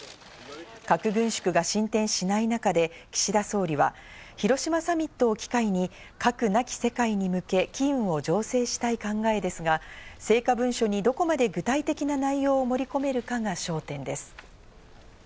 核軍縮が進展しない中で岸田総理は、広島サミットを機会に核なき世界に向け、機運を醸成したい考えですが、成果文書にどこまで具体的な内容を盛り込めるかが焦点です。